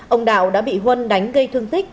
ông đạo đã bị huân đánh gây thương tích